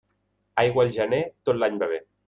Aigua al gener, tot l'any va bé.